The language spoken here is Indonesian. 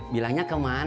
bilangnya kemana neng